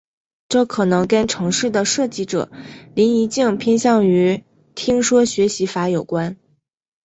这可能跟程式的设计者林宜敬偏向于听说学习法有关。